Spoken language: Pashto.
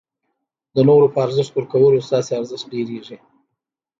د نورو په ارزښت ورکولو ستاسي ارزښت ډېرېږي.